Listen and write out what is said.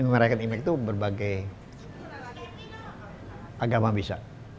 merayakan imlek itu berbagai agama bisa